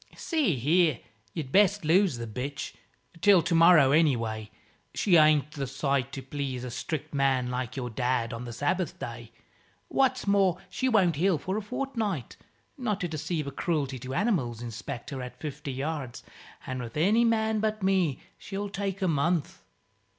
"See here, you'd best lose the bitch till tomorrow, anyway. She ain't the sight to please a strict man, like your dad, on the Sabbath day. What's more, she won't heal for a fortni't, not to deceive a Croolty to Animals Inspector at fifty yards; an' with any man but me she'll take a month."